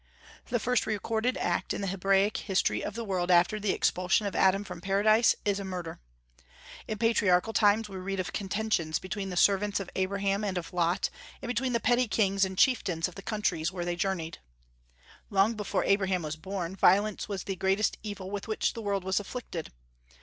The first recorded act in the Hebraic history of the world after the expulsion of Adam from Paradise is a murder. In patriarchal times we read of contentions between the servants of Abraham and of Lot, and between the petty kings and chieftains of the countries where they journeyed. Long before Abraham was born, violence was the greatest evil with which the world was afflicted.